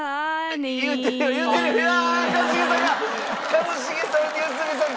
一茂さん良純さん